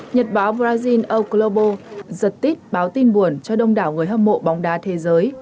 nhật báo brazil o global giật tít báo tin buồn cho đông đảo người hâm mộ bóng đá thế giới